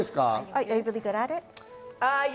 はい。